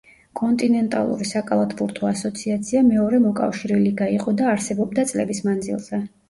კონტინენტალური საკალათბურთო ასოციაცია მეორე მოკავშირე ლიგა იყო და არსებობდა წლების მანძილზე.